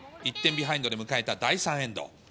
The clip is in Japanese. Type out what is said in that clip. １点ビハインドで迎えた第３エンド。